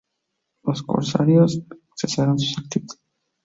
Los corsarios cesaron sus actividades.